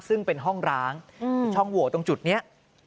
ซึ่งเป็นห้องร้างช่องโหวตรงจุดนี้